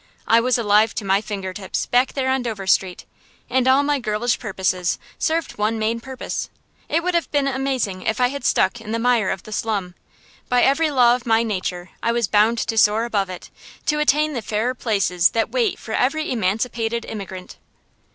I was alive to my finger tips, back there on Dover Street, and all my girlish purposes served one main purpose. It would have been amazing if I had stuck in the mire of the slum. By every law of my nature I was bound to soar above it, to attain the fairer places that wait for every emancipated immigrant.